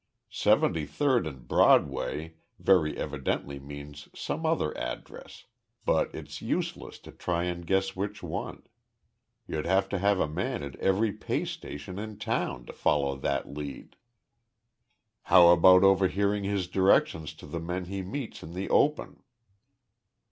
'Seventy third and Broadway' very evidently means some other address, but it's useless to try and guess which one. You'd have to have a man at every pay station in town to follow that lead." "How about overhearing his directions to the men he meets in the open?"